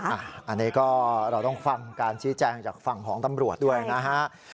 อันนี้ก็เราต้องฟังการชี้แจงจากฝั่งของตำรวจด้วยนะฮะ